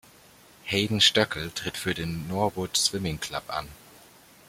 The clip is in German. Hayden Stoeckel tritt für den "Norwood Swimming Club" an.